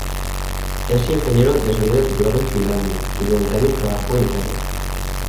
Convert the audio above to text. Es ingeniero de sonido titulado en Finlandia, y durante años trabajó en Italia.